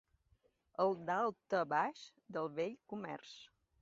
El daltabaix del vell comerç